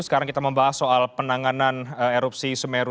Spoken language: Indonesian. sekarang kita membahas soal penanganan erupsi semeru